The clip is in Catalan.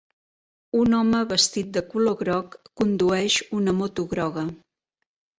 Un home vestit de color groc condueix una moto groga.